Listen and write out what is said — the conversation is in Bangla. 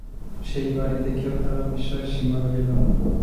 সেই বাড়ি দেখেও তাঁর বিস্ময়ের সীমা রইল না।